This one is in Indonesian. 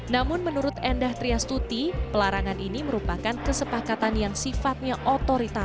namun menurut endah terima selain itu juga ada kata yang menyebutnya sebagai kata yang tidak bisa diperlukan oleh orang lain